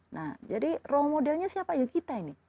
nah jadi role model nya siapa ya kita ini